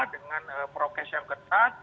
dengan prokes yang ketat